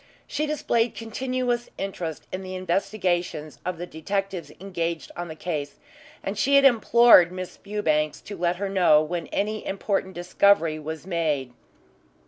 She displayed continuous interest in the investigations of the detectives engaged on the case, and she had implored Miss Fewbanks to let her know when any important discovery was made.